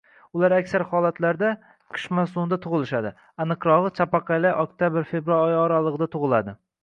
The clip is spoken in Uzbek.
Ular aksar holatlarda qish mavsumida tugʻilishadi. Aniqrogʻi, chapaqaylar oktyabr-fevral oyi oraligʻida tugʻiladi.